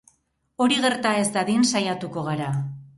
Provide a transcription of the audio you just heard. Hori gerta ez dadin saiatuko gara.